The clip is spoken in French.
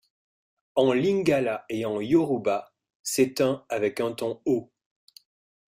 En lingala et en yoruba, c’est un avec un ton haut.